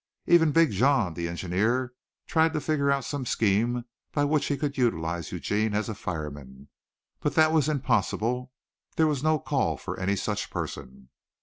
Even Big John, the engineer, tried to figure out some scheme by which he could utilize Eugene as a fireman, but that was impossible; there was no call for any such person.